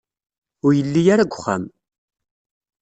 Ur yelli ara deg uxxam.